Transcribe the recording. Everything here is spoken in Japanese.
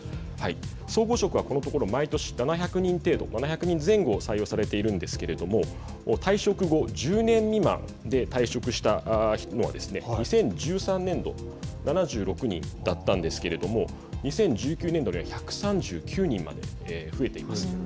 総合職はこのところ毎年７００人程度７００人前後採用されているんですけれども退職後１０年未満で退職したのは２０１３年度７６人だったんですけれども２０１９年度には１３９人まで増えています。